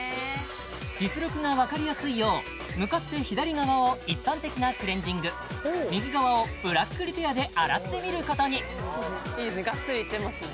実力がわかりやすいよう向かって左側を一般的なクレンジング右側をブラックリペアで洗ってみることにいいですね